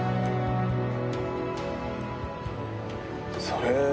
それ。